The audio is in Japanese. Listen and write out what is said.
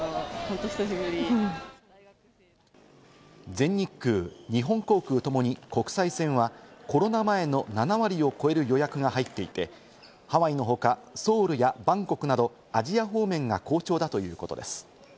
全日空、日本航空ともに国際線はコロナ前の７割を超える予約が入っていて、ハワイの他、ソウルやバンコクなどアジア方面が好調だということです。